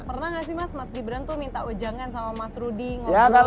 pernah nggak sih mas mas gibran tuh minta ujangan sama mas rudy ngobrol